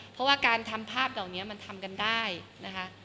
เพราะว่าการทำภาพเหล่านี้มันทำกันได้นะคะ